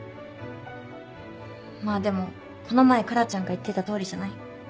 まぁでもこの前倉ちゃんが言ってた通りじゃない？